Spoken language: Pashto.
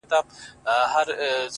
د قرآن دېرسو سېپارو ته چي سجده وکړه’